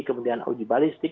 kemudian uji balistik